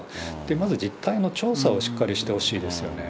まず実態の調査をしっかりしてほしいですよね。